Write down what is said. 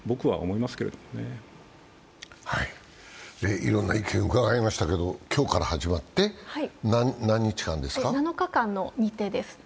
いろんな意見を伺いましたけれども今日から始まって何日間ですか？